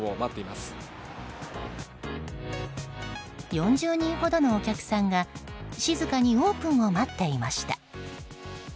４０人ほどのお客さんが静かにオープンを待っていました。